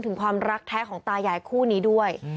ถึงความรักแท้ของตายายคู่นี้ด้วย